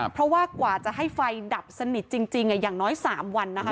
เพราะว่ากว่าจะให้ไฟดับสนิทจริงอย่างน้อย๓วันนะคะ